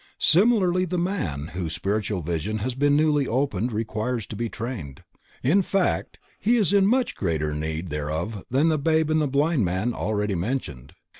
Similarly the man whose spiritual vision has been newly opened requires to be trained, in fact he is in much greater need thereof than the babe and the blind man already mentioned.